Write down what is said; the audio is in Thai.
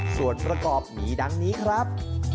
ส่วนประกอบมีดังนี้ครับ